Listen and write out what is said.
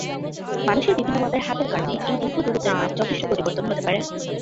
মানুষের বিভিন্ন মাপের হাতের কারণে এই দীর্ঘ দূরত্বের মাপ যথেষ্ট পরিবর্তন হতে পারে।